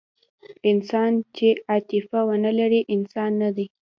انسان چې عاطفه ونهلري، انسان نهدی.